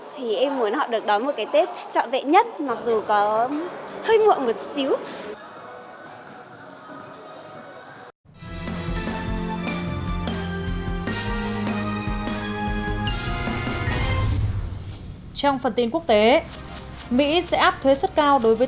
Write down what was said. thì em muốn họ được đón một cái tết trọng vệ nhất mặc dù có hơi muộn một xíu